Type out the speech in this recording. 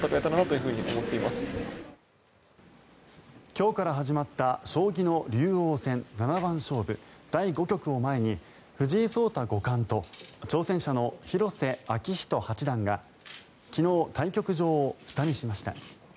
今日から始まった将棋の竜王戦七番勝負第５局を前に藤井聡太五冠と挑戦者の広瀬章人八段が昨日、対局場を下見しました。